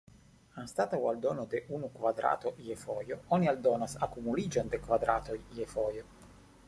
Anstataŭ aldono de unu kvadrato je fojo, oni aldonas akumuliĝon de kvadratoj je fojo.